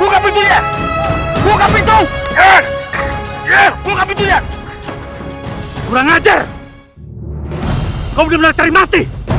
buka pintunya buka pintunya buka pintunya kurang ajar kau udah mulai tarik mati